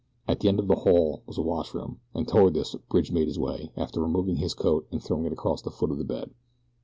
At the end of the hall was a washroom, and toward this Bridge made his way, after removing his coat and throwing it across the foot of the bed.